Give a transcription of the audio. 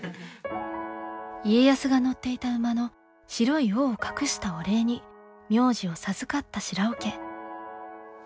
家康が乗っていた馬の白い尾を隠したお礼に名字を授かった白尾家。